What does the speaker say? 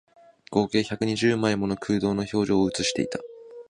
合計百二十枚もの空洞の表情を写していた